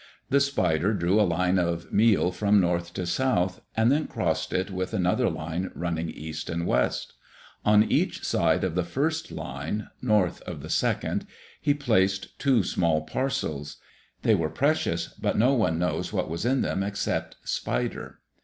The spider drew a line of meal from north to south and then crossed it with another line running east and west. On each side of the first line, north of the second, he placed two small parcels. They were precious but no one knows what was in them except Spider.